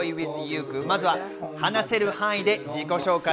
まずは話せる範囲で自己紹介